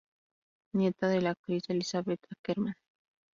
Nieta de la actriz Elisabeth Ackermann.